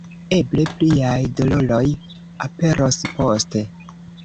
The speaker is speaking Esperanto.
Eble pliaj doloroj aperos poste.